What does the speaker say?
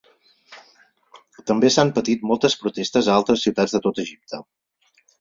També s'han patit moltes protestes a altres ciutats de tot Egipte.